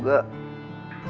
kita diberikan kesempatan untuk